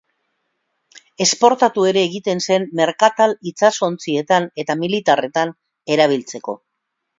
Esportatu ere egiten zen merkatal itsasontzietan eta militarretan erabiltzeko.